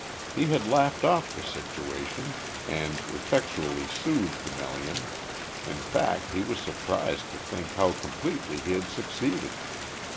He had laughed off the situation, and effectually soothed Melian in fact he was surprised to think how completely he had succeeded.